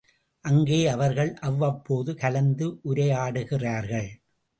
அங்கே அவர்கள் அவ்வப்போது கலந்து உரையாடுகிறார்கள்.